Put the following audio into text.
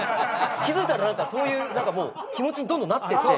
気付いたらそういう気持ちにどんどんなってって。